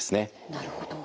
なるほど。